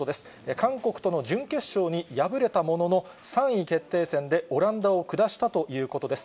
韓国との準決勝に敗れたものの、３位決定戦でオランダを下したということです。